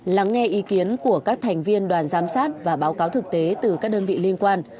lắng nghe ý kiến của các thành viên đoàn giám sát và báo cáo thực tế từ các đơn vị liên quan